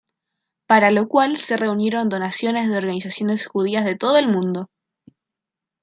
Para lo cual se reunieron donaciones de organizaciones judías de todo el mundo.